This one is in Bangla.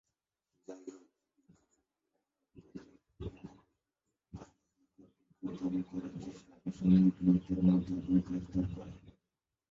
যাইহোক, বিক্ষোভ সামরিক বাহিনীর প্রতিরোধের মুখোমুখি হয়েছিল, কারণ সরকার বিক্ষোভ দমন করার চেষ্টায় বেসামরিক লোকদের মারধর করে ও গ্রেপ্তার করে।